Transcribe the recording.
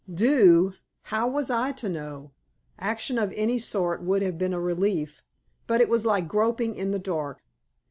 Do! How was I to know? Action of any sort would have been a relief, but it was like groping in the dark.